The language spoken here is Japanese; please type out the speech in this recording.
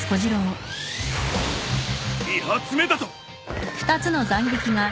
２発目だと！？